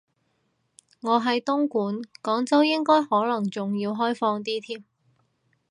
我喺東莞，廣州應該可能仲要開放啲添